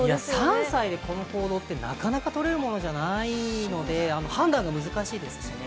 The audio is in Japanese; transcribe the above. ３歳でこの行動って、なかなか取れるものじゃないんで、判断が難しいんですよね。